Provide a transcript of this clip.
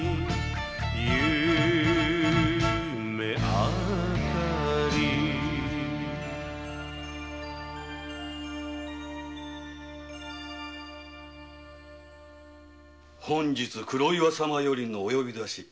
「夢あかり」「本日黒岩様よりお呼び出し。